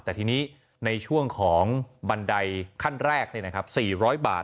แต่ทีนี้ในช่วงของบันไดขั้นแรก๔๐๐บาท